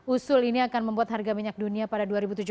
usul ini akan membuat harga minyak dunia pada dua ribu tujuh belas